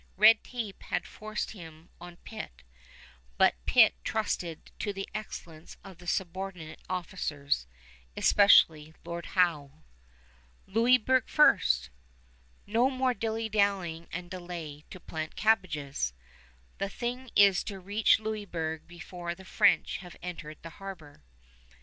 Red tape had forced him on Pitt, but Pitt trusted to the excellence of the subordinate officers, especially Lord Howe. Louisburg first! No more dillydallying and delay "to plant cabbages!" The thing is to reach Louisburg before the French have entered the harbor.